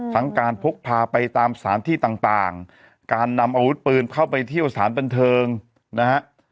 ทั้งการพกพาไปตามสถานที่ต่างการนำอาวุธปืนเข้าไปเที่ยวสถานบันเทิงนะฮะ